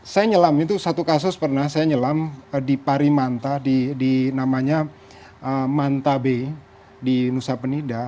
saya nyelam itu satu kasus pernah saya nyelam di pari manta di namanya manta bay di nusa penida